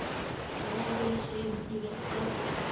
Ҡалала йәшәйем тигәс тә.